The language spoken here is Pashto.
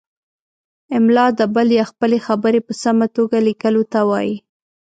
املاء د بل یا خپلې خبرې په سمه توګه لیکلو ته وايي.